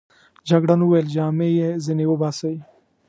جګړن وویل: جامې يې ځینې وباسئ.